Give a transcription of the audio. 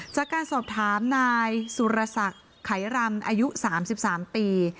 จากการสอบถามนายสุรศักดิ์ไขรำอายุ๓๓ปี